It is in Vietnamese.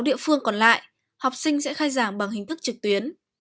địa phương còn lại học sinh sẽ khai giảng bằng hình thức trực tuyến